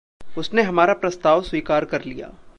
उसने हमारा प्रस्ताव स्वीकार कर लिया।